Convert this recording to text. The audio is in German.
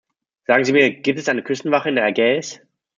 Sagen Sie mir, gibt es eine Küstenwache in der Ägäis?